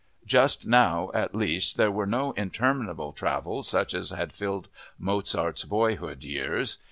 Just now, at least, there were no interminable travels such as had filled Mozart's boyhood years.